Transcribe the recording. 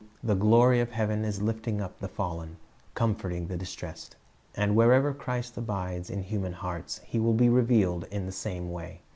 386 Christ's Object LcssoHS The glory of heaven is in lifting up the fallen, comforting the distressed. And wherever Christ abides in human hearts, He will be revealed in the same way.